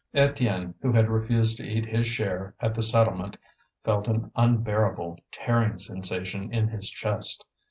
Étienne, who had refused to eat his share at the settlement, felt an unbearable tearing sensation in his chest.